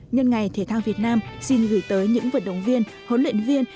nhân ngày thể thao việt nam xin gửi tới những vận động viên huấn luyện viên